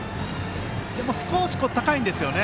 でも、少し高いんですよね。